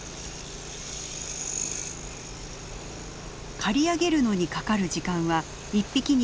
刈り上げるのにかかる時間は１匹につき４分ほど。